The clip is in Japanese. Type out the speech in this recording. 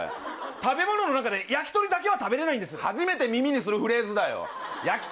食べ物の中で焼き鳥だけが食初めて耳にするフレーズだよ。